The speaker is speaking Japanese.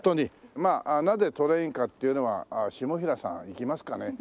まあなんでトレインかっていうのは下平さんいきますかね？